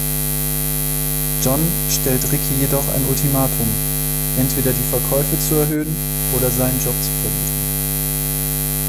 John stellt Ricky jedoch ein Ultimatum, entweder die Verkäufe zu erhöhen oder seinen Job zu verlieren.